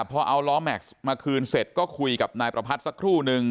พอเอาล้อแม็กซ์มาคืนเสร็จก็คุยกับนายประพัทธ์สักครู่นึง